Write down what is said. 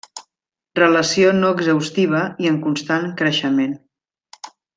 Relació no exhaustiva i en constant creixement.